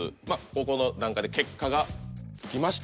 ここの段階で結果がつきました。